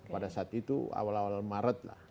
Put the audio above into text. pada saat itu awal awal maret lah